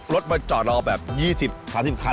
รถมาจอดรอแบบ๒๐๓๐คัน